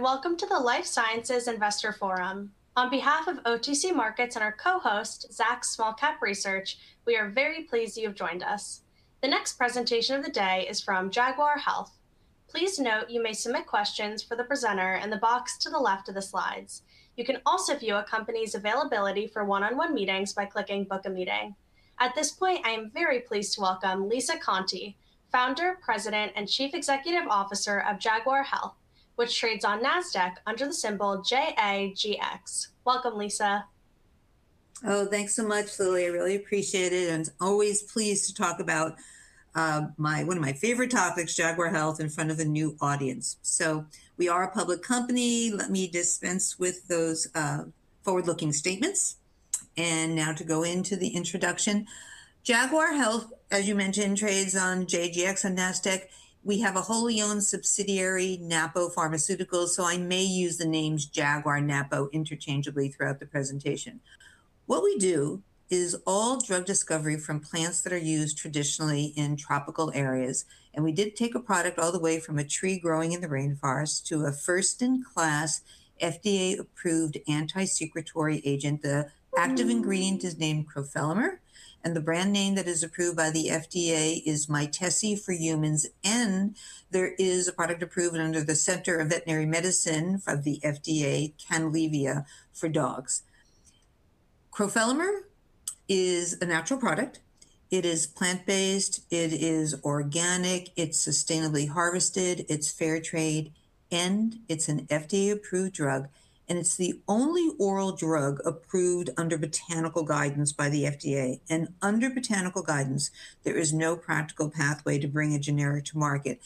Welcome to the Life Sciences Investor Forum. On behalf of OTC Markets and our co-host, Zacks Small Cap Research, we are very pleased you have joined us. The next presentation of the day is from Jaguar Health. Please note you may submit questions for the presenter in the box to the left of the slides. You can also view a company's availability for one-on-one meetings by clicking Book a Meeting. At this point, I am very pleased to welcome Lisa Conte, Founder, President, and Chief Executive Officer of Jaguar Health, which trades on Nasdaq under the symbol JAGX. Welcome, Lisa. Oh, thanks so much, Lily. I really appreciate it, and always pleased to talk about my favorite topics, Jaguar Health, in front of a new audience. We are a public company. Let me dispense with those forward-looking statements. Now to go into the introduction. Jaguar Health, as you mentioned, trades on JAGX on Nasdaq. We have a wholly owned subsidiary, Napo Pharmaceuticals, so I may use the names Jaguar and Napo interchangeably throughout the presentation. What we do is all drug discovery from plants that are used traditionally in tropical areas, and we did take a product all the way from a tree growing in the rainforest to a first-in-class, FDA-approved antisecretory agent. The active ingredient is named crofelemer, and the brand name that is approved by the FDA is Mytesi for humans. There is a product approved under the Center for Veterinary Medicine of the FDA, Canalevia, for dogs. crofelemer is a natural product. It is plant-based, it is organic, it's sustainably harvested, it's fair trade, and it's an FDA-approved drug, and it's the only oral drug approved under botanical guidance by the FDA. Under botanical guidance, there is no practical pathway to bring a generic to market.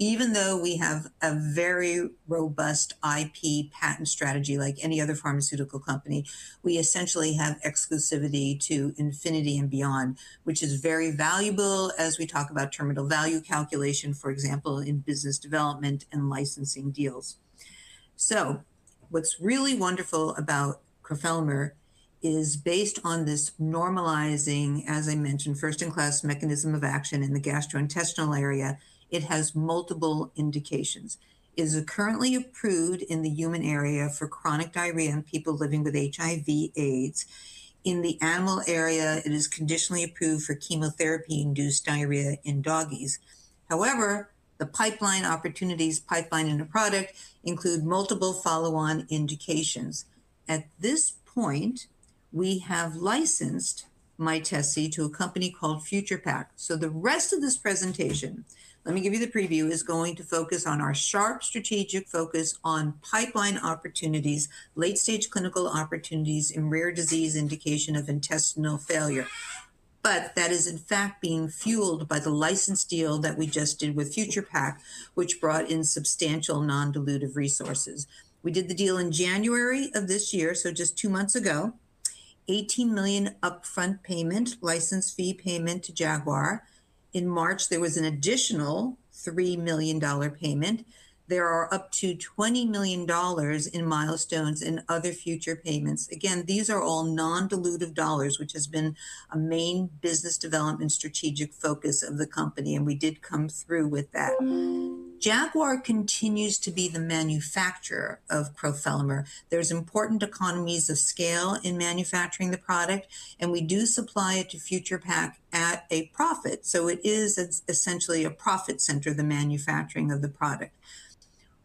Even though we have a very robust IP patent strategy like any other pharmaceutical company, we essentially have exclusivity to infinity and beyond, which is very valuable as we talk about terminal value calculation, for example, in business development and licensing deals. What's really wonderful about crofelemer is based on this normalizing, as I mentioned, first-in-class mechanism of action in the gastrointestinal area, it has multiple indications. It is currently approved in the human area for chronic diarrhea in people living with HIV/AIDS. In the animal area, it is conditionally approved for chemotherapy-induced diarrhea in doggies. However, the pipeline opportunities, pipeline end product include multiple follow-on indications. At this point, we have licensed Mytesi to a company called Future Pak. The rest of this presentation, let me give you the preview, is going to focus on our sharp strategic focus on pipeline opportunities, late-stage clinical opportunities in rare disease indication of intestinal failure. That is in fact being fueled by the license deal that we just did with Future Pak, which brought in substantial non-dilutive resources. We did the deal in January of this year, so just two months ago. $18 million upfront payment, license fee payment to Jaguar. In March, there was an additional $3 million payment. There are up to $20 million in milestones and other future payments. Again, these are all non-dilutive dollars, which has been a main business development strategic focus of the company, and we did come through with that. Jaguar continues to be the manufacturer of crofelemer. There's important economies of scale in manufacturing the product, and we do supply it to Future Pak at a profit, so it is essentially a profit center, the manufacturing of the product.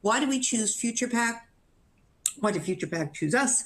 Why did we choose Future Pak? Why did Future Pak choose us?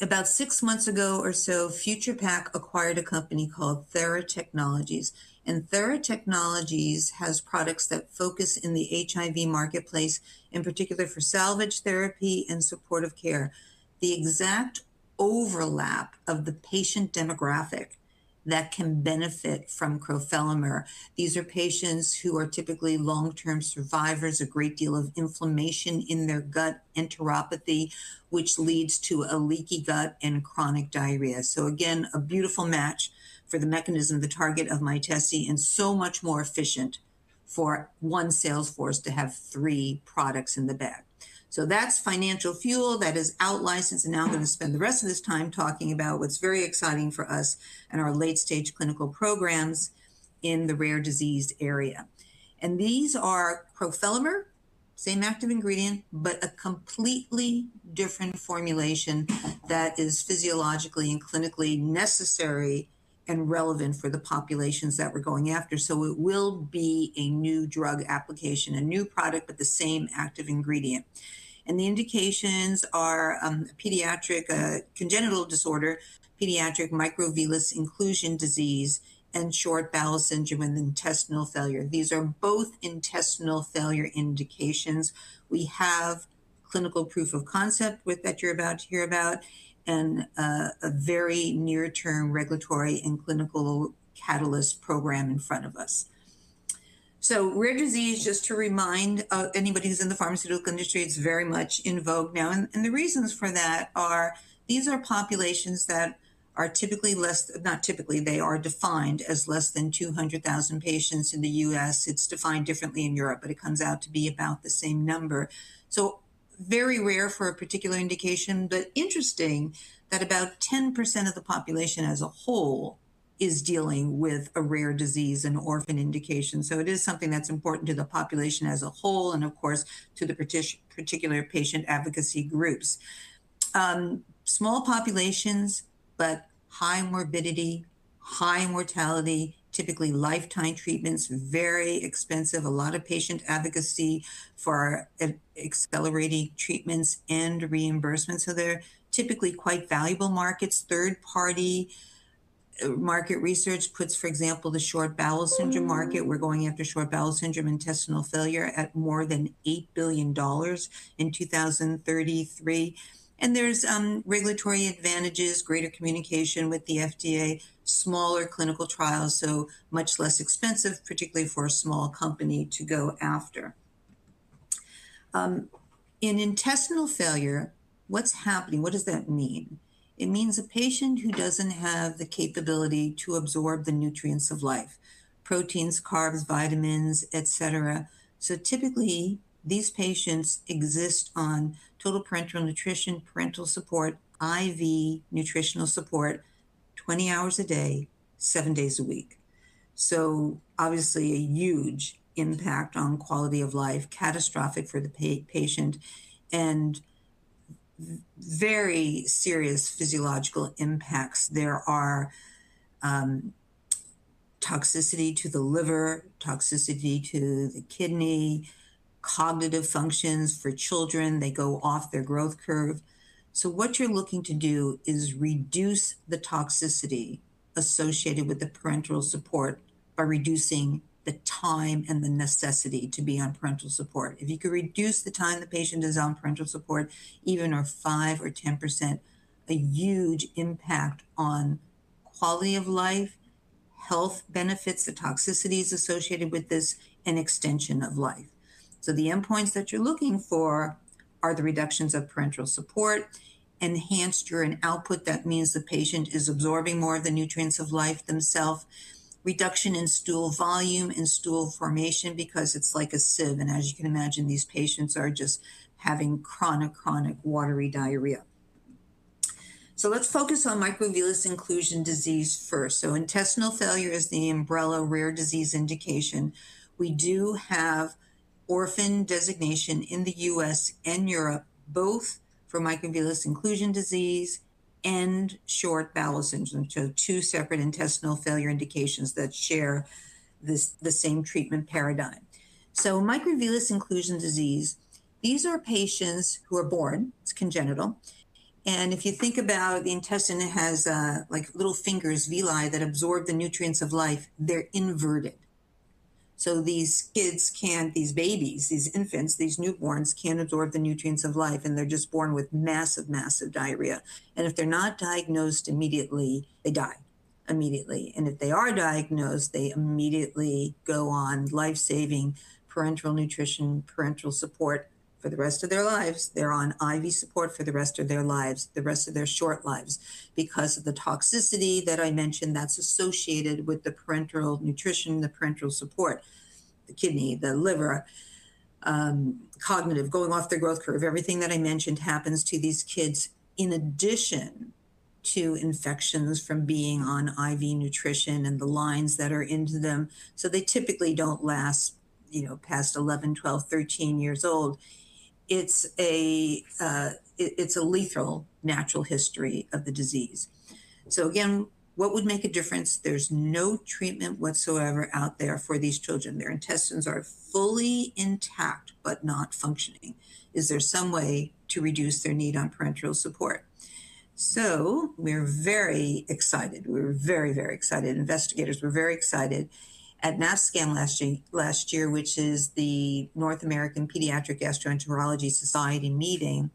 About six months ago or so, Future Pak acquired a company called Theratechnologies and Theratechnologies. has products that focus in the HIV marketplace, in particular for salvage therapy and supportive care, the exact overlap of the patient demographic that can benefit from crofelemer. These are patients who are typically long-term survivors, a great deal of inflammation in their gut enteropathy, which leads to a leaky gut and chronic diarrhea. Again, a beautiful match for the mechanism, the target of Mytesi, and so much more efficient for one sales force to have three products in the bag. That's financial fuel that is out licensed, and now I'm going to spend the rest of this time talking about what's very exciting for us and our late-stage clinical programs in the rare disease area. These are crofelemer, same active ingredient, but a completely different formulation that is physiologically and clinically necessary and relevant for the populations that we're going after, so it will be a new drug application, a new product, but the same active ingredient. The indications are pediatric congenital disorder, pediatric microvillus inclusion disease, and short bowel syndrome and intestinal failure. These are both intestinal failure indications. We have clinical proof of concept that you're about to hear about and a very near-term regulatory and clinical catalyst program in front of us. Rare disease, just to remind anybody who's in the pharmaceutical industry, it's very much in vogue now. The reasons for that are these are populations that are defined as less than 200,000 patients in the U.S. It's defined differently in Europe, but it comes out to be about the same number. Very rare for a particular indication, but interesting that about 10% of the population as a whole is dealing with a rare disease and orphan indication. It is something that's important to the population as a whole, and of course, to the particular patient advocacy groups. Small populations, but high morbidity, high mortality, typically lifetime treatments, very expensive, a lot of patient advocacy for accelerating treatments and reimbursements. They're typically quite valuable markets. Third party market research puts, for example, the short bowel syndrome market, we're going after short bowel syndrome, intestinal failure, at more than $8 billion in 2033. There's regulatory advantages, greater communication with the FDA, smaller clinical trials, so much less expensive, particularly for a small company to go after. In intestinal failure, what's happening? What does that mean? It means a patient who doesn't have the capability to absorb the nutrients of life, proteins, carbs, vitamins, et cetera. Typically, these patients exist on total parenteral nutrition, parenteral support, IV nutritional support, 20 hours a day, seven days a week. Obviously, a huge impact on quality of life, catastrophic for the patient, and very serious physiological impacts. There are toxicity to the liver, toxicity to the kidney, cognitive functions for children. They go off their growth curve. What you're looking to do is reduce the toxicity associated with the parenteral support by reducing the time and the necessity to be on parenteral support. If you could reduce the time the patient is on parenteral support, even by 5% or 10%, a huge impact on quality of life, health benefits, the toxicities associated with this, and extension of life. The endpoints that you're looking for are the reductions of parenteral support, enhanced urine output. That means the patient is absorbing more of the nutrients of life themselves. Reduction in stool volume and stool formation because it's like a sieve, and as you can imagine, these patients are just having chronic watery diarrhea. Let's focus on Microvillus inclusion disease first. Intestinal failure is the umbrella rare disease indication. We do have orphan designation in the U.S. and Europe, both for microvillus inclusion disease and short bowel syndrome. Two separate intestinal failure indications that share the same treatment paradigm. Microvillus inclusion disease, these are patients who are born, it's congenital, and if you think about the intestine, it has like little fingers, villi, that absorb the nutrients of life, they're inverted. These babies, these infants, these newborns can't absorb the nutrients of life, and they're just born with massive diarrhea. If they're not diagnosed immediately, they die immediately. If they are diagnosed, they immediately go on life-saving parenteral nutrition, parenteral support for the rest of their lives. They're on IV support for the rest of their lives, the rest of their short lives, because of the toxicity that I mentioned that's associated with the parenteral nutrition, the parenteral support, the kidney, the liver, cognitive, going off their growth curve. Everything that I mentioned happens to these kids in addition to infections from being on IV nutrition and the lines that are into them. They typically don't last, you know, past 11, 12, 13 years old. It's a lethal natural history of the disease. Again, what would make a difference? There's no treatment whatsoever out there for these children. Their intestines are fully intact, but not functioning. Is there some way to reduce their need on parenteral support? We're very excited. We're very, very excited. Investigators were very excited. At NASPGHAN last year, which is the North American Society for Pediatric Gastroenterology, Hepatology and Nutrition meeting,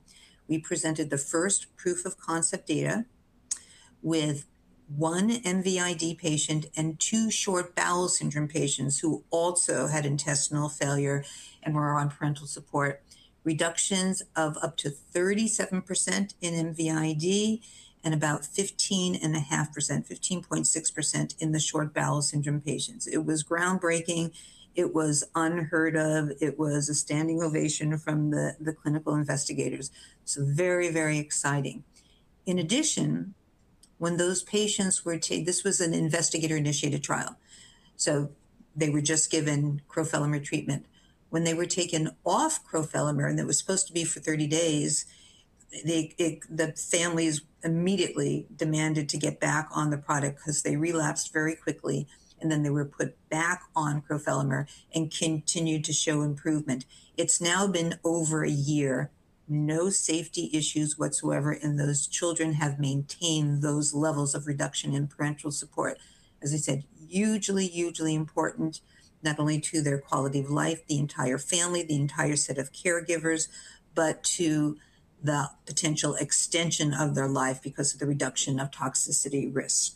we presented the first proof of concept data with 1 MVID patient and two short bowel syndrome patients who also had intestinal failure and were on parenteral support, reductions of up to 37% in MVID and about 15.5%, 15.6% in the short bowel syndrome patients. It was groundbreaking. It was unheard of. It was a standing ovation from the clinical investigators. Very, very exciting. In addition, this was an investigator-initiated trial, so they were just given crofelemer treatment. When they were taken off crofelemer, and it was supposed to be for 30 days, the families immediately demanded to get back on the product because they relapsed very quickly, and then they were put back on crofelemer and continued to show improvement. It's now been over a year, no safety issues whatsoever, and those children have maintained those levels of reduction in parenteral support. As I said, hugely important, not only to their quality of life, the entire family, the entire set of caregivers, but to the potential extension of their life because of the reduction of toxicity risk.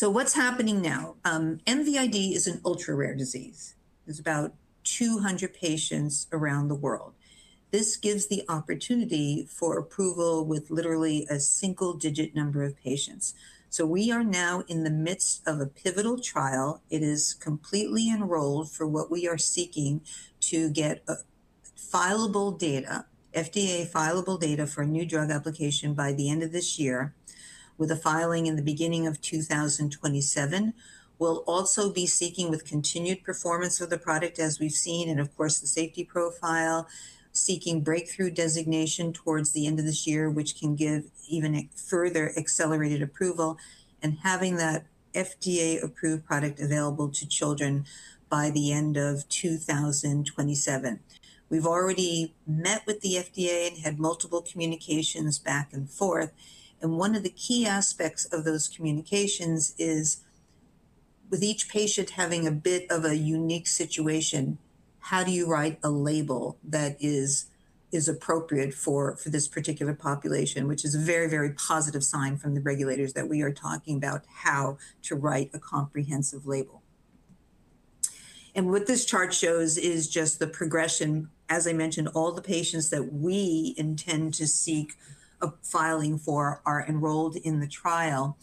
What's happening now? MVID is an ultra-rare disease. There's about 200 patients around the world. This gives the opportunity for approval with literally a single-digit number of patients. We are now in the midst of a pivotal trial. It is completely enrolled for what we are seeking to get FDA-fileable data for a new drug application by the end of this year, with a filing in the beginning of 2027. We'll also be seeking with continued performance of the product as we've seen, and of course, the safety profile, seeking Breakthrough designation towards the end of this year, which can give even a further accelerated approval, and having that FDA-approved product available to children by the end of 2027. We've already met with the FDA and had multiple communications back and forth, and one of the key aspects of those communications is with each patient having a bit of a unique situation, how do you write a label that is appropriate for this particular population? Which is a very, very positive sign from the regulators that we are talking about how to write a comprehensive label. What this chart shows is just the progression. As I mentioned, all the patients that we intend to seek a filing for are enrolled in the trial.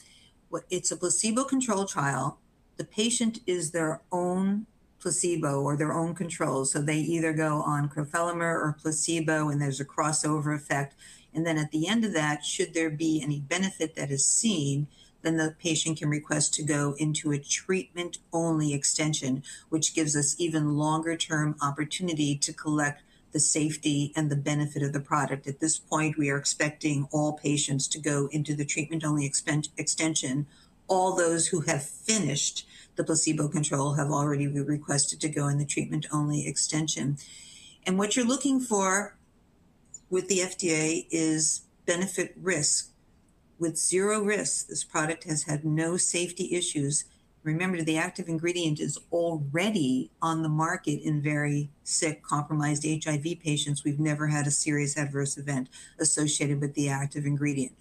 It's a placebo-controlled trial. The patient is their own placebo or their own control, so they either go on crofelemer or placebo, and there's a crossover effect. Then at the end of that, should there be any benefit that is seen, then the patient can request to go into a treatment-only extension, which gives us even longer-term opportunity to collect the safety and the benefit of the product. At this point, we are expecting all patients to go into the treatment-only extension. All those who have finished the placebo control have already requested to go in the treatment-only extension. What you're looking for with the FDA is benefit/risk. With zero risk, this product has had no safety issues. Remember, the active ingredient is already on the market in very sick, compromised HIV patients. We've never had a serious adverse event associated with the active ingredient.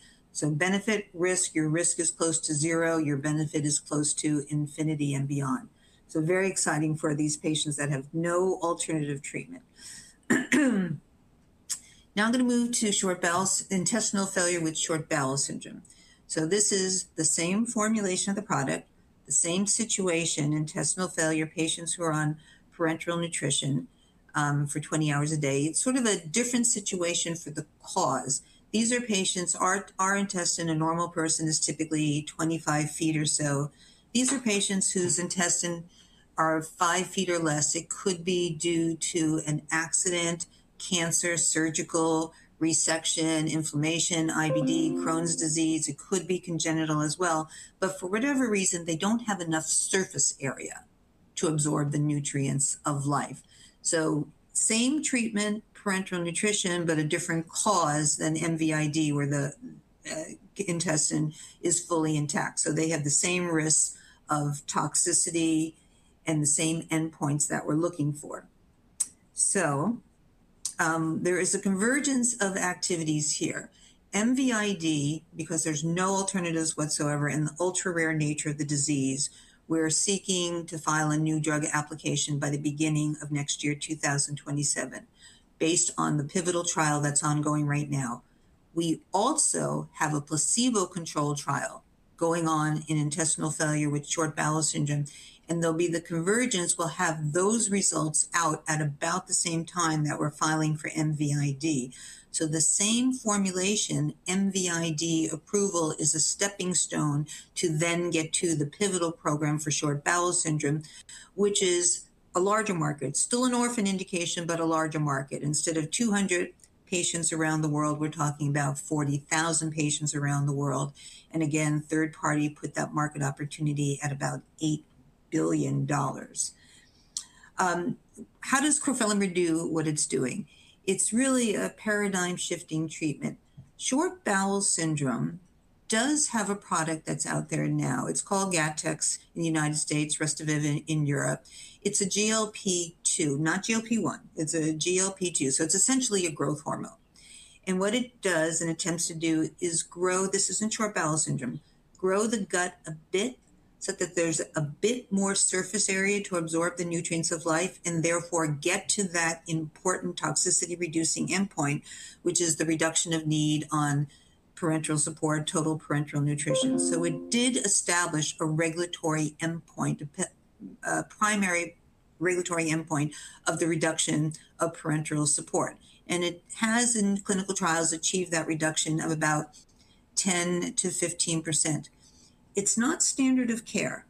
Benefit/risk, your risk is close to zero, your benefit is close to infinity and beyond. Very exciting for these patients that have no alternative treatment. Now I'm gonna move to intestinal failure with short bowel syndrome. This is the same formulation of the product, the same situation, intestinal failure patients who are on parenteral nutrition for 20 hours a day. It's sort of a different situation for the cause. These are patients. Our intestine, a normal person, is typically 25 ft or so. These are patients whose intestine are 5ft or less. It could be due to an accident, cancer, surgical resection, inflammation, IBD, Crohn's disease. It could be congenital as well. For whatever reason, they don't have enough surface area to absorb the nutrients of life. Same treatment, parenteral nutrition, but a different cause than MVID, where the intestine is fully intact. They have the same risk of toxicity and the same endpoints that we're looking for. There is a convergence of activities here. MVID, because there's no alternatives whatsoever in the ultra-rare nature of the disease, we're seeking to file a new drug application by the beginning of next year, 2027, based on the pivotal trial that's ongoing right now. We also have a placebo-controlled trial going on in intestinal failure with short bowel syndrome, and there'll be the convergence. We'll have those results out at about the same time that we're filing for MVID. The same formulation, MVID approval is a stepping stone to then get to the pivotal program for short bowel syndrome, which is a larger market. Still an orphan indication, but a larger market. Instead of 200 patients around the world, we're talking about 40,000 patients around the world. Again, third party put that market opportunity at about $8 billion. How does crofelemer do what it's doing? It's really a paradigm-shifting treatment. Short bowel syndrome does have a product that's out there now. It's called Gattex in the United States, Revestive in Europe. It's a GLP-2, not GLP-1. It's a GLP-2, so it's essentially a growth hormone. What it does and attempts to do is grow. This is in short bowel syndrome, grow the gut a bit so that there's a bit more surface area to absorb the nutrients of life and therefore get to that important toxicity-reducing endpoint, which is the reduction of need on parenteral support, Total Parenteral Nutrition. It did establish a regulatory endpoint, a primary regulatory endpoint of the reduction of parenteral support, and it has in clinical trials achieved that reduction of about 10%-15%. It's not standard of care.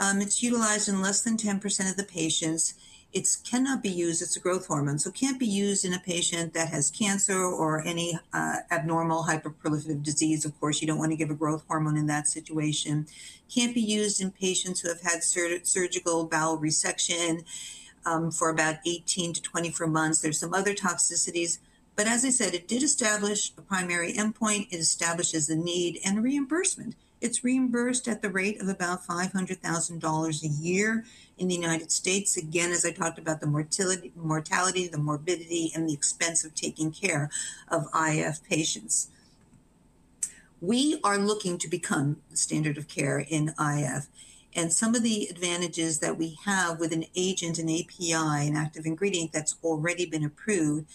It's utilized in less than 10% of the patients. It cannot be used. It's a growth hormone, so it can't be used in a patient that has cancer or any abnormal hyperproliferative disease. Of course, you don't wanna give a growth hormone in that situation. Can't be used in patients who have had surgical bowel resection for about 18-24 months. There's some other toxicities. As I said, it did establish a primary endpoint. It establishes a need and a reimbursement. It's reimbursed at the rate of about $500,000 a year in the United States. Again, as I talked about the mortality, the morbidity, and the expense of taking care of IF patients. We are looking to become the standard of care in IF. Some of the advantages that we have with an agent, an API, an active ingredient that's already been approved.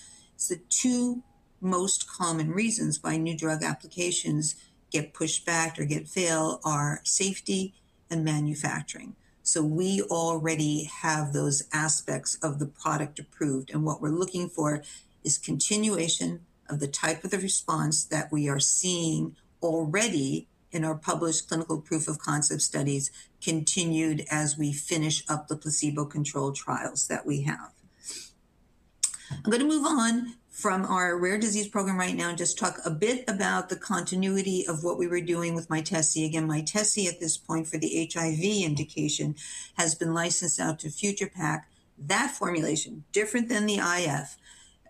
Two most common reasons why new drug applications get pushed back or get failed are safety and manufacturing. We already have those aspects of the product approved, and what we're looking for is continuation of the type of the response that we are seeing already in our published clinical proof of concept studies continued as we finish up the placebo-controlled trials that we have. I'm gonna move on from our rare disease program right now and just talk a bit about the continuity of what we were doing with Mytesi. Again, Mytesi at this point for the HIV indication has been licensed out to Future Pak. That formulation, different than the IF,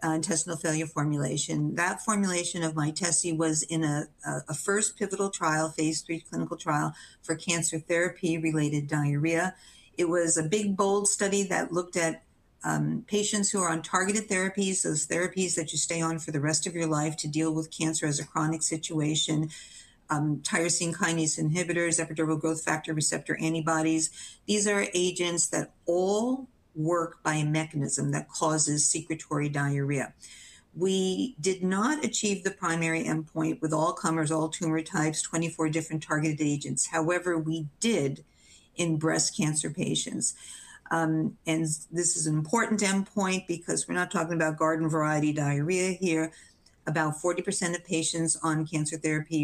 intestinal failure formulation. That formulation of Mytesi was in a first pivotal trial, phase III clinical trial for cancer therapy-related diarrhea. It was a big, bold study that looked at patients who are on targeted therapies, those therapies that you stay on for the rest of your life to deal with cancer as a chronic situation. Tyrosine kinase inhibitors, epidermal growth factor receptor antibodies. These are agents that all work by a mechanism that causes secretory diarrhea. We did not achieve the primary endpoint with all comers, all tumor types, 24 different targeted agents. However, we did in breast cancer patients. This is an important endpoint because we're not talking about garden variety diarrhea here. About 40% of patients on cancer therapy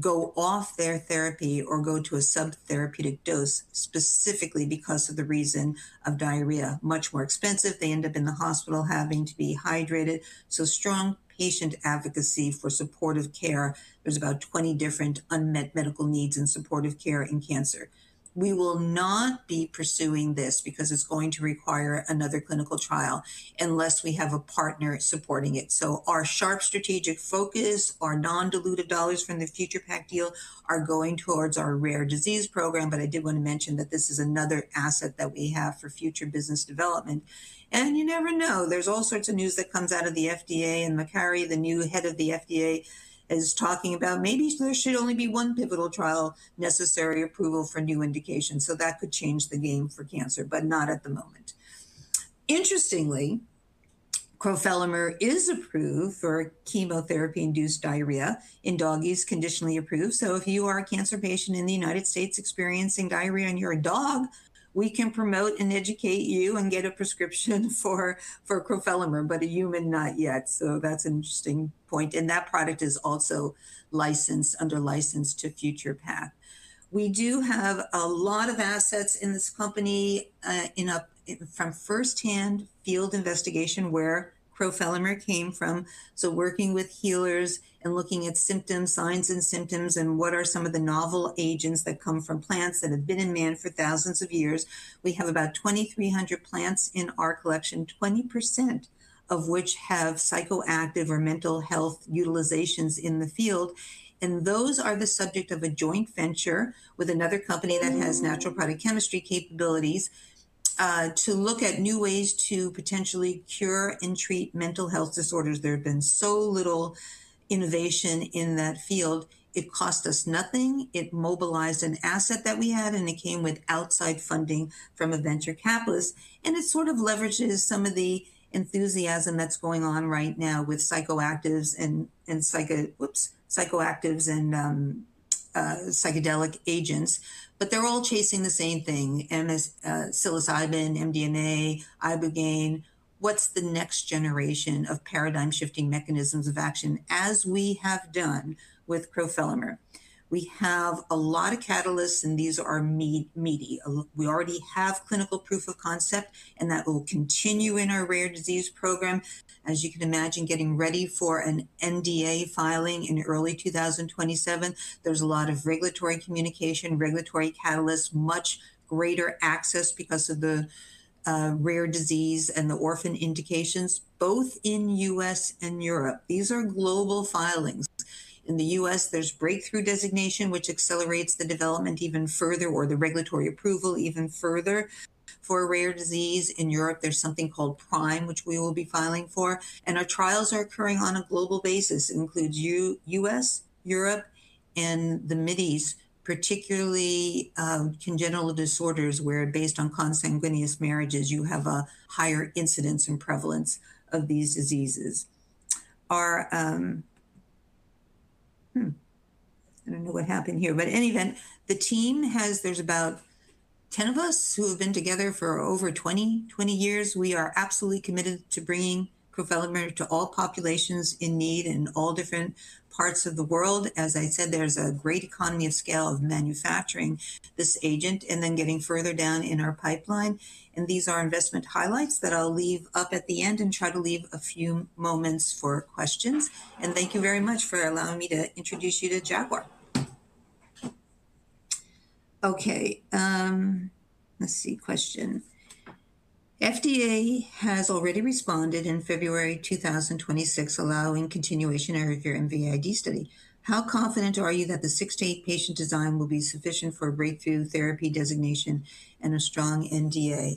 go off their therapy or go to a subtherapeutic dose specifically because of the reason of diarrhea. Much more expensive. They end up in the hospital having to be hydrated. Strong patient advocacy for supportive care. There's about 20 different unmet medical needs in supportive care in cancer. We will not be pursuing this because it's going to require another clinical trial unless we have a partner supporting it. Our sharp strategic focus, our non-diluted dollars from the Future Pak deal are going towards our rare disease program, but I did wanna mention that this is another asset that we have for future business development. You never know. There's all sorts of news that comes out of the FDA, and Makary, the new head of the FDA, is talking about maybe there should only be one pivotal trial necessary approval for new indications. That could change the game for cancer, but not at the moment. Interestingly, crofelemer is approved for chemotherapy-induced diarrhea. In doggies, conditionally approved. If you are a cancer patient in the United States experiencing diarrhea and you're a dog, we can promote and educate you and get a prescription for crofelemer, but a human not yet. That's an interesting point. That product is also licensed under license to Future Pak. We do have a lot of assets in this company from firsthand field investigation where crofelemer came from. Working with healers and looking at symptoms, signs and symptoms, and what are some of the novel agents that come from plants that have been in man for thousands of years. We have about 2,300 plants in our collection, 20% of which have psychoactive or mental health utilizations in the field, and those are the subject of a joint venture with another company that has natural product chemistry capabilities, to look at new ways to potentially cure and treat mental health disorders. There have been so little innovation in that field. It cost us nothing, it mobilized an asset that we had, and it came with outside funding from a venture capitalist. It sort of leverages some of the enthusiasm that's going on right now with psychoactives and psychedelic agents. They're all chasing the same thing, and as psilocybin, MDMA, ibogaine, what's the next generation of paradigm-shifting mechanisms of action as we have done with crofelemer? We have a lot of catalysts, and these are meaty. We already have clinical proof of concept, and that will continue in our rare disease program. As you can imagine, getting ready for an NDA filing in early 2027, there's a lot of regulatory communication, regulatory catalysts, much greater access because of the rare disease and the orphan indications, both in U.S. and Europe. These are global filings. In the U.S., there's breakthrough designation, which accelerates the development even further, or the regulatory approval even further. For a rare disease in Europe, there's something called PRIME, which we will be filing for. Our trials are occurring on a global basis. It includes U.S., Europe, and the Mideast, particularly congenital disorders, where based on consanguineous marriages, you have a higher incidence and prevalence of these diseases. Our team has. There's about 10 of us who have been together for over 20 years. We are absolutely committed to bringing crofelemer to all populations in need in all different parts of the world. As I said, there's a great economy of scale of manufacturing this agent and then getting further down in our pipeline. These are investment highlights that I'll leave up at the end and try to leave a few moments for questions. Thank you very much for allowing me to introduce you to Jaguar. Okay, let's see. Question. FDA has already responded in February 2026 allowing continuation of your MVID study. How confident are you that the 68-patient design will be sufficient for a breakthrough therapy designation and a strong NDA?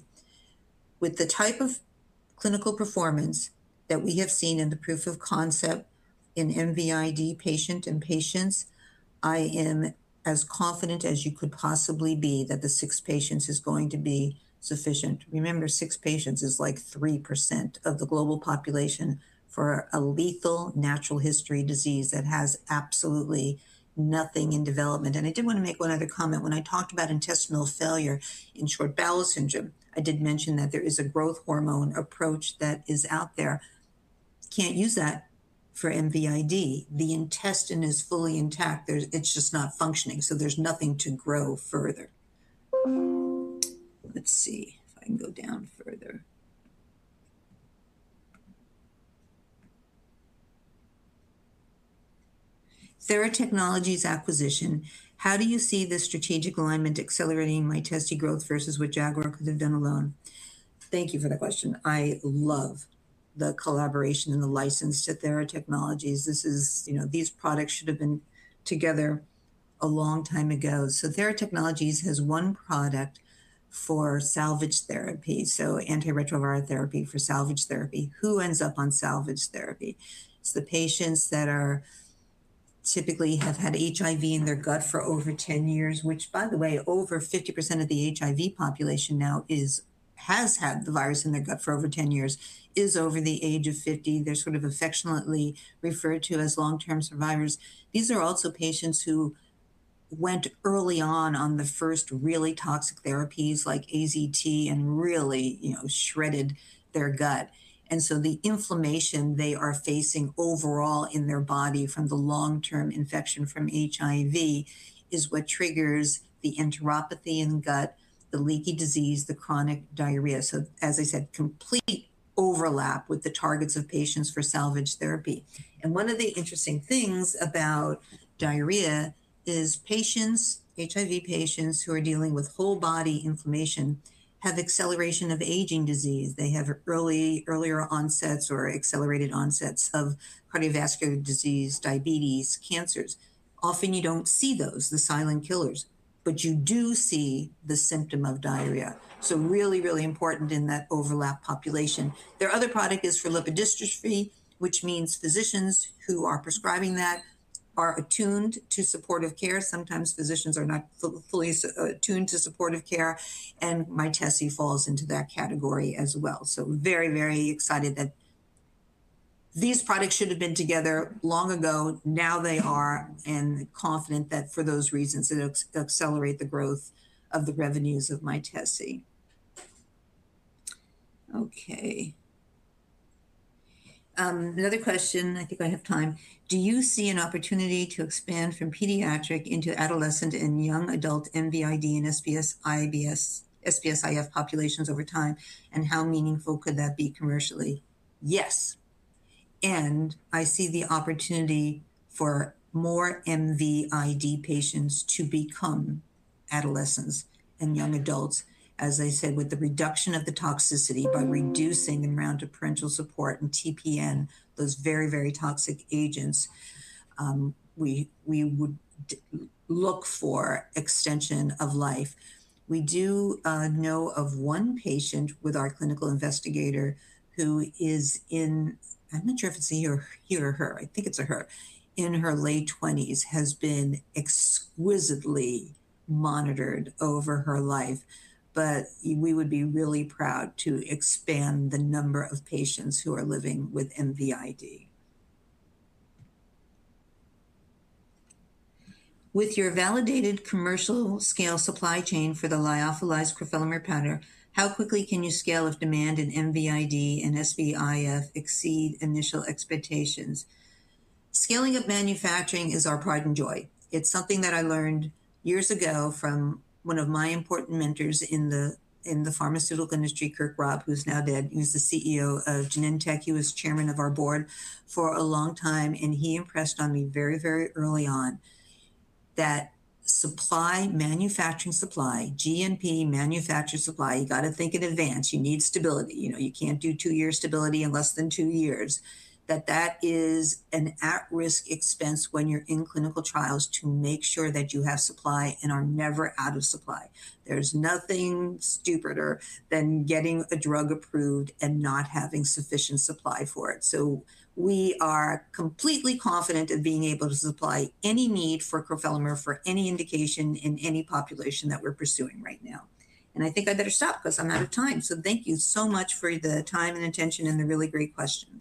With the type of clinical performance that we have seen in the proof of concept in MVID patient and patients, I am as confident as you could possibly be that the six patients is going to be sufficient. Remember, six patients is like 3% of the global population for a lethal natural history disease that has absolutely nothing in development. I did wanna make one other comment. When I talked about intestinal failure in short bowel syndrome, I did mention that there is a growth hormone approach that is out there. Can't use that for MVID. The intestine is fully intact. It's just not functioning, so there's nothing to grow further. Let's see if I can go down further. Theratechnologies acquisition, how do you see the strategic alignment accelerating Mytesi growth versus what Jaguar could have done alone? Thank you for that question. I love the collaboration and the license to Theratechnologies. You know, these products should have been together a long time ago. Theratechnologies has one product for salvage therapy, so antiretroviral therapy for salvage therapy. Who ends up on salvage therapy? It's the patients that typically have had HIV in their gut for over 10 years, which by the way, over 50% of the HIV population now has had the virus in their gut for over 10 years, is over the age of 50. They're sort of affectionately referred to as long-term survivors. These are also patients who went early on the first really toxic therapies like AZT and really, you know, shredded their gut. The inflammation they are facing overall in their body from the long-term infection from HIV is what triggers the enteropathy in the gut, the leaky disease, the chronic diarrhea. As I said, complete overlap with the targets of patients for salvage therapy. One of the interesting things about diarrhea is patients, HIV patients who are dealing with whole body inflammation have acceleration of aging disease. They have earlier onsets or accelerated onsets of cardiovascular disease, diabetes, cancers. Often you don't see those, the silent killers, but you do see the symptom of diarrhea. Really important in that overlap population. Their other product is for lipodystrophy, which means physicians who are prescribing that are attuned to supportive care. Sometimes physicians are not fully attuned to supportive care, and Mytesi falls into that category as well. Very, very excited that these products should have been together long ago. Now they are, and confident that for those reasons it'll accelerate the growth of the revenues of Mytesi. Okay. Another question. I think I have time. Do you see an opportunity to expand from pediatric into adolescent and young adult MVID and SBS-IF populations over time, and how meaningful could that be commercially? Yes, I see the opportunity for more MVID patients to become adolescents and young adults. As I said, with the reduction of the toxicity by reducing the amount of parenteral support and TPN, those very, very toxic agents, we would look for extension of life. We do know of one patient with our clinical investigator who is in. I'm not sure if it's a he or her. I think it's her. In her late twenties, has been exquisitely monitored over her life. We would be really proud to expand the number of patients who are living with MVID. With your validated commercial scale supply chain for the lyophilized crofelemer powder, how quickly can you scale if demand in MVID and SBS-IF exceed initial expectations? Scaling of manufacturing is our pride and joy. It's something that I learned years ago from one of my important mentors in the pharmaceutical industry, G. Kirk Raab, who's now dead, who's the CEO of Genentech. He was chairman of our board for a long time, and he impressed on me very, very early on that supply, manufacturing supply, GMP manufactured supply, you gotta think in advance. You need stability. You know, you can't do two-year stability in less than two years. That is an at-risk expense when you're in clinical trials to make sure that you have supply and are never out of supply. There's nothing stupider than getting a drug approved and not having sufficient supply for it. We are completely confident of being able to supply any need for crofelemer for any indication in any population that we're pursuing right now. I think I better stop 'cause I'm out of time. Thank you so much for the time and attention and the really great questions.